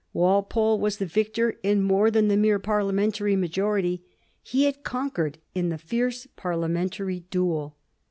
Walpole was the victor in more than the mere parliamen tary majority. He had conquered in the fierce parliamen tary duel.